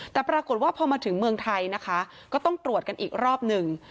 แต่ปรากฏว่าพอมาถึงเมืองไทยนะคะก็ต้องตรวจกันอีกรอบหนึ่ง